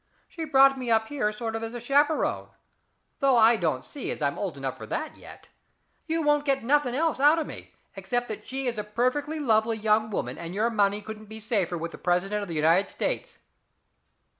She brought me up here as a sort of chaperon, though I don't see as I'm old enough for that yet. You don't get nothing else out of me except that she is a perfectly lovely young woman, and your money couldn't be safer with the president of the United States."